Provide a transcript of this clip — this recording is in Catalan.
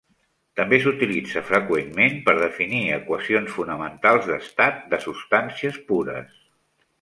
També s'utilitza freqüentment per definir equacions fonamentals d'estat de substàncies pures.